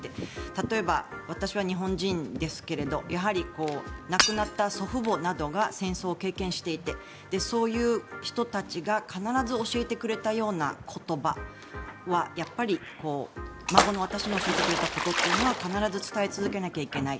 例えば、私は日本人ですけれどやはり亡くなった祖父母などが戦争を経験していてそういう人たちが必ず教えてくれたような言葉はやっぱり孫の私に教えてくれたことというのは必ず伝え続けなきゃいけない。